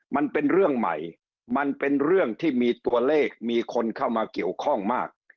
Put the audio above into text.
มันเป็นเรื่องใหม่มันเป็นเรื่องที่มีตัวเลขมีคนเข้ามาเกี่ยวข้องมาก